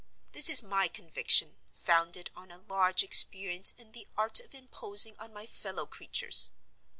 This is my conviction, founded on a large experience in the art of imposing on my fellow creatures.